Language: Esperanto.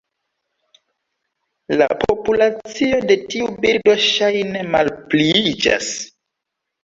La populacio de tiu birdo ŝajne malpliiĝas.